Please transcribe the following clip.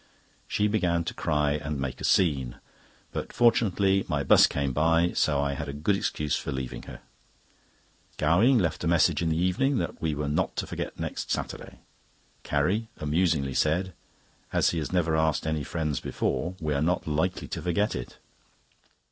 She began to cry and make a scene; but fortunately my 'bus came by, so I had a good excuse for leaving her. Gowing left a message in the evening, that we were not to forget next Saturday. Carrie amusingly said: "As he has never asked any friends before, we are not likely to forget it."